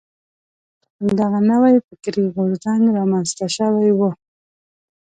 دغه نوی فکري غورځنګ را منځته شوی و.